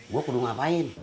gue perlu ngapain